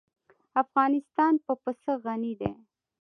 افغانستان په پسه غني دی.